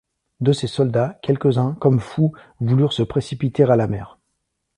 De ces soldats, quelques-uns, comme fous, voulurent se précipiter à la mer.